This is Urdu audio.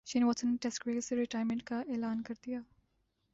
شین واٹسن نے ٹیسٹ کرکٹ سے ریٹائرمنٹ کا اعلان کر دیا